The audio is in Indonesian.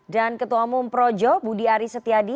dan ketua umum projo budi aris setiadi